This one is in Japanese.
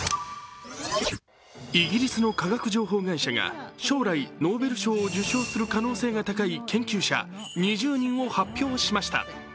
イギリスの科学情報会社が将来ノーベル賞を受賞する可能性が高い研究者２０人を発表しました。